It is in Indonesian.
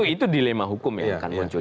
itu dilema hukum yang akan muncul